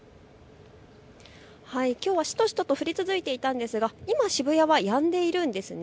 きょうはしとしとと降り続いていたんですが今、渋谷はやんでいるんですね。